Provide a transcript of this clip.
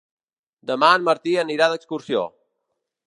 Demà en Martí anirà d'excursió.